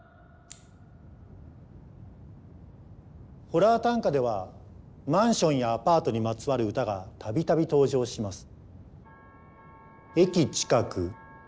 ホラー短歌ではマンションやアパートにまつわる歌が度々登場します。